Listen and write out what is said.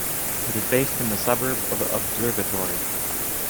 It is based in the suburb of Observatory.